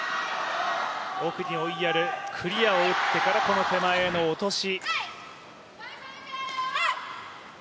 奥に追いやるクリアを打ってから、この手前への落とし。